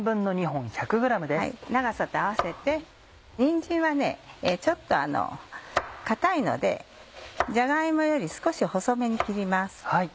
長さと合わせてにんじんはちょっと硬いのでじゃが芋より少し細めに切ります。